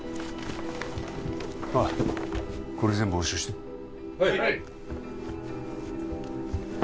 おいこれ全部押収してはい！